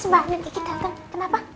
yes mbak nanti ki datang kenapa